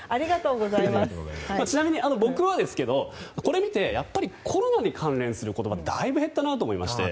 ちなみに僕はこれを見てコロナに関連する言葉がだいぶ減ったなと思いまして。